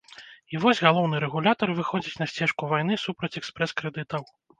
І вось, галоўны рэгулятар выходзіць на сцежку вайны супраць экспрэс-крэдытаў.